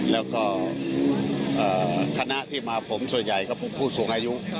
แล้วก็คณะที่มาผมส่วนใหญ่ก็เป็นผู้สูงอายุ